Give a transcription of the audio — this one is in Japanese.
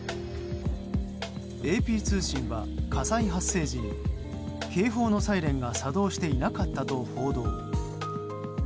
ＡＰ通信は火災発生時に警報のサイレンが作動していなかったと報道。